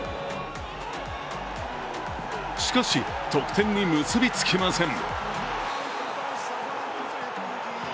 しかし、得点に結びつきません。